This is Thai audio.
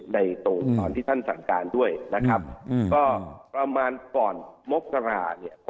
ตรงตอนที่ท่านสั่งการด้วยนะครับก็ประมาณก่อนมกราเนี่ย